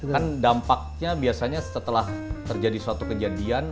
kan dampaknya biasanya setelah terjadi suatu kejadian